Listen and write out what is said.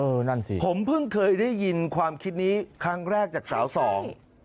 นั่นสิผมเพิ่งเคยได้ยินความคิดนี้ครั้งแรกจากสาวสอง